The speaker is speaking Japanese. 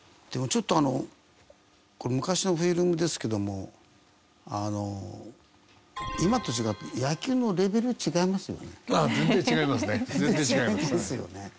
でもちょっとあのこれ昔のフィルムですけども今と違って野球のレベル違いますよね？